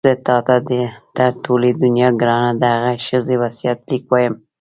زه تا ته تر ټولې دنیا ګرانه د هغې ښځې وصیت لیک وایم.